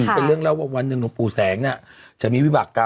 เป็นเรื่องเล่าว่าวันหนึ่งหลวงปู่แสงจะมีวิบากรรม